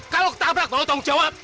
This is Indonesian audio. kalau ketabrak mau tanggung jawab